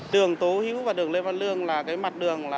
đường tố hữu và đường lê văn lương là cái mặt đường